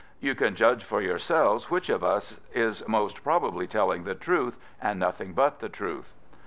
You can judge for yourselves which of us is most probably telling the truth, and nothing but the truth."